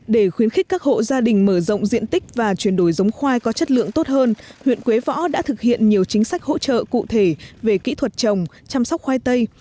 để khuyến khích các hộ gia đình mở rộng diện tích và chuyển đổi giống khoai có chất lượng tốt hơn huyện quế võ đã thực hiện nhiều chính sách hỗ trợ cụ thể về kỹ thuật trồng chăm sóc khoai tây